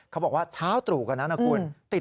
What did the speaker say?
เขาบอกว่าเช้าตรูกนะคุณ